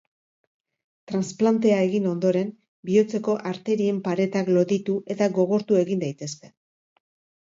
Transplantea egin ondoren, bihotzeko arterien paretak loditu eta gogortu egin daitezke.